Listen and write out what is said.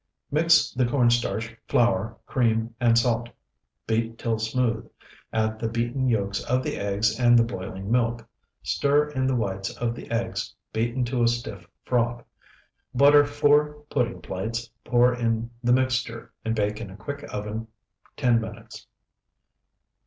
Mix the corn starch, flour, cream and salt. Beat till smooth; add the beaten yolks of the eggs and the boiling milk. Stir in the whites of the eggs, beaten to a stiff froth. Butter four pudding plates, pour in the mixture, and bake in a quick oven ten minutes.